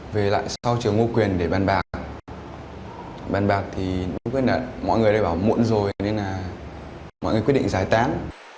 về lại sau trường ngô quyền để bán bạc bán bạc thì mọi người đã bảo muộn rồi nên mọi người quyết định giải tán